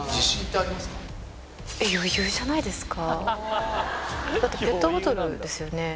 余裕じゃないですか？